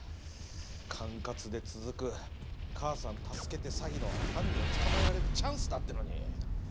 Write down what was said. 管轄で続く「母さん助けて詐欺」の犯人を捕まえられるチャンスだってのに。